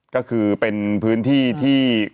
ก็คือเป็นพื้นที่ที่คุ้มเข้ม